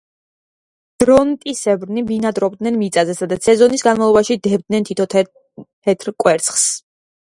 დრონტისებრნი ბინადრობდნენ მიწაზე, სადაც სეზონის განმავლობაში დებდნენ თითო თეთრ კვერცხს.